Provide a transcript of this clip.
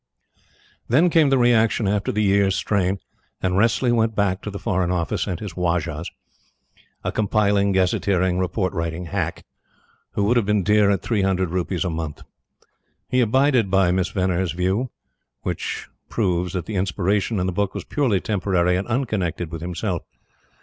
Then came the reaction after the year's strain, and Wressley went back to the Foreign Office and his "Wajahs," a compiling, gazetteering, report writing hack, who would have been dear at three hundred rupees a month. He abided by Miss Venner's review. Which proves that the inspiration in the book was purely temporary and unconnected with himself.